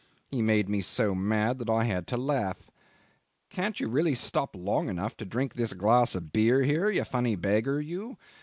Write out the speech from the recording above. He made me so mad that I had to laugh. 'Can't you really stop long enough to drink this glass of beer here, you funny beggar, you?